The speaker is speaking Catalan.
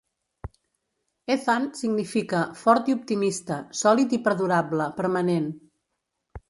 Ethan significa "fort i optimista, sòlid i perdurable, permanent".